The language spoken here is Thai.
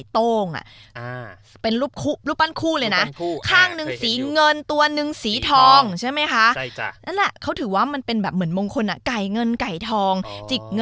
ตำนานม้าลายของฝรั่ง